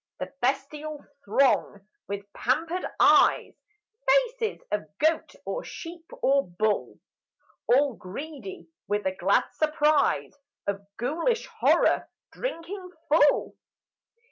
The bestial throng with pampered eyes Faces of goat or sheep or bull All greedy with a glad surprise Of ghoulish horror drinking full.